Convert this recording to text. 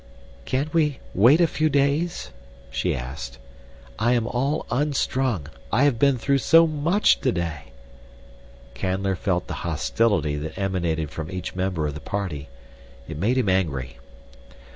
"Can't we wait a few days?" she asked. "I am all unstrung. I have been through so much today." Canler felt the hostility that emanated from each member of the party. It made him angry.